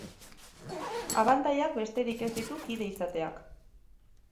Abantailak besterik ez ditu kide izateak.